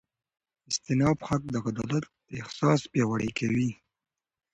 د استیناف حق د عدالت احساس پیاوړی کوي.